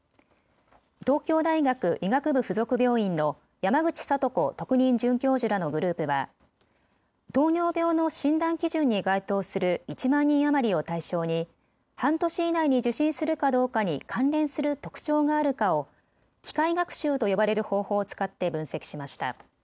東京大学医学部附属病院の山口聡子特任准教授らのグループは糖尿病の診断基準に該当する１万人余りを対象に半年以内に受診するかどうかに関連する特徴があるかを機械学習と呼ばれる方法を使って分析しました。